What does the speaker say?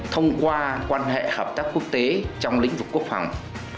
thông qua quan hệ hợp tác quốc tế trong lĩnh vực quốc phòng